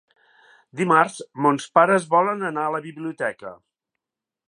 Dimarts mons pares volen anar a la biblioteca.